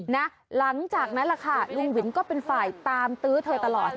หลังจากนั้นแหละค่ะลุงวินก็เป็นฝ่ายตามตื้อเธอตลอด